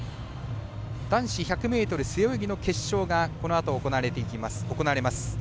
男子１００ｍ背泳ぎの決勝がこのあと行われます。